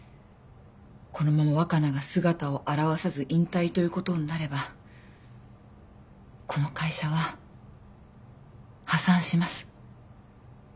このまま若菜が姿を現さず引退ということになればこの会社は破産します。